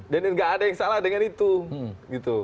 dan nggak ada yang salah dengan itu gitu